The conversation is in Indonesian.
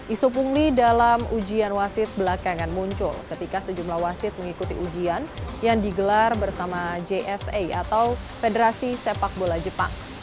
isu pungli dalam ujian wasit belakangan muncul ketika sejumlah wasit mengikuti ujian yang digelar bersama jfa atau federasi sepak bola jepang